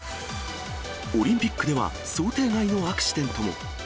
オリンピックでは想定外のアクシデントも。